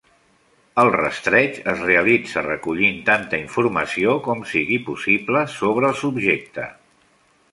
El rastreig es realitza recollint tanta informació com sigui possible sobre el subjecte.